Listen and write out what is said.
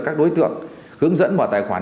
các đối tượng hướng dẫn vào tài khoản